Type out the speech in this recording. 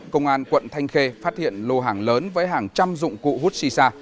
công an quận thanh khê phát hiện lô hàng lớn với hàng trăm dụng cụ hút shisha